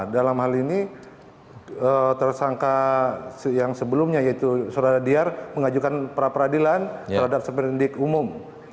dalam hal ini tersangka yang sebelumnya yaitu saudara diar mengajukan pra peradilan terhadap seperindik umum